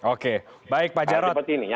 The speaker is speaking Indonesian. oke baik pak jarod